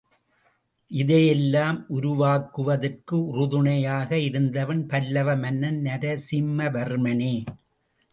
இதையெல்லாம் உருவாக்குவதற்கு உறுதுணையாக இருந்தவன் பல்லவ மன்னன் நரசிம்மவர்மனே.